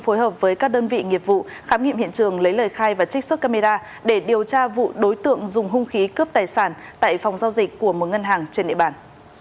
phối hợp với các đơn vị nghiệp vụ khám nghiệm hiện trường lấy lời khai và trích xuất camera để điều tra vụ đối tượng dùng hung khí cướp tài sản tại phòng giao dịch của một ngân hàng trên địa bàn